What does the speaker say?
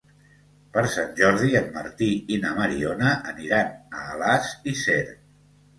Per Sant Jordi en Martí i na Mariona aniran a Alàs i Cerc.